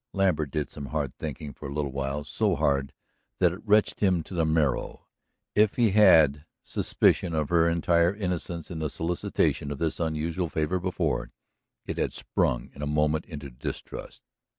Lambert did some hard thinking for a little while, so hard that it wrenched him to the marrow. If he had had suspicion of her entire innocence in the solicitation of this unusual favor before, it had sprung in a moment into distrust.